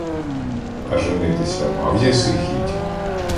— А женитися мав єси хіть?